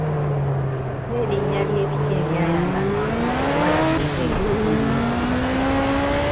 Mpa erinnya ly'ebiti ebyayambalwanga abawala ng'engoye tezinnajja.